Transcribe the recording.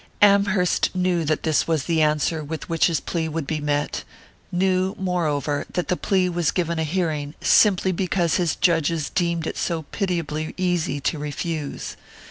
Amherst knew that this was the answer with which his plea would be met; knew, moreover, that the plea was given a hearing simply because his judges deemed it so pitiably easy to refute.